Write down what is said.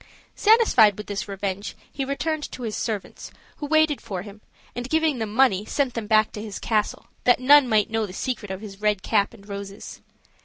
Satisfied with this revenge, he returned to his servants, who waited for him, and giving them money, sent them back to his castle, that none might know the secret of his red cap and roses.